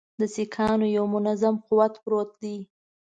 د سیکهانو یو منظم قوت پروت دی.